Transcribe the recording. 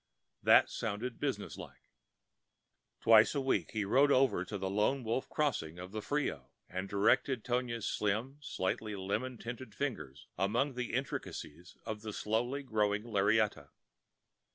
That sounded business like. Twice a week he rode over to the Lone Wolf Crossing of the Frio, and directed Tonia's slim, slightly lemon tinted fingers among the intricacies of the slowly growing lariata.